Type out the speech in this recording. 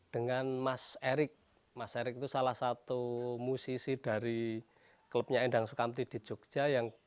dengan mas erik mas erik itu salah satu musisi dari klubnya endang sukamti di jogja yang